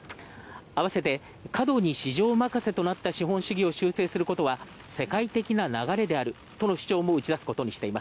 あわせて、過度に市場任せとなった資本主義を修正することは世界的な流れであるとの主張も打ち出すことに。